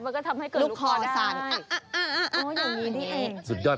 มันก็ทำให้เกิดลูกคอได้ดีอะคอสารนะครับอย่างนี้นี่เองสุดยอด